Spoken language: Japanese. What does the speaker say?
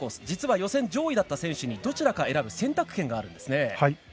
実は予選上位だった選手にどちらか選ぶ選択権があるんですね。